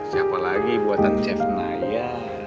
siapa lagi buatan chef naya